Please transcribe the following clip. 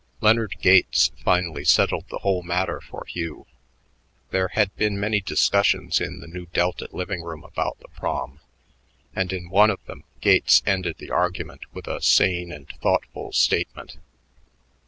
Leonard Gates finally settled the whole matter for Hugh. There had been many discussions in the Nu Delta living room about the Prom, and in one of them Gates ended the argument with a sane and thoughtful statement.